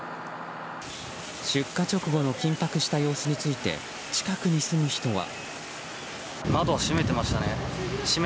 出火直後の緊迫した様子について近くに住む人は。